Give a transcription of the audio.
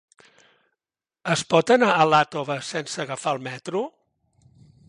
Es pot anar a Iàtova sense agafar el metro?